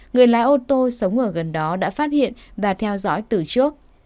người lái ô tô sống ở gần đó đã phát hiện và theo dõi từ trước